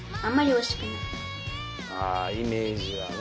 ああイメージがな。